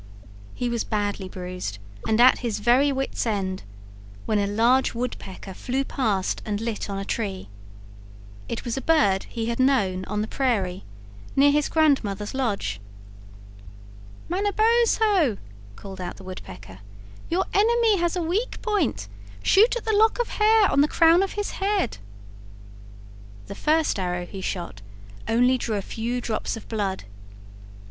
He was badly bruised, and at his very wits' end, when a large Woodpecker flew past and lit on a tree. It was a bird he had known on the prairie, near his grandmother's lodge. "Manabozho," called out the Woodpecker, "your enemy has a weak point; shoot at the lock of hair on the crown of his head." The first arrow he shot only drew a few drops of blood.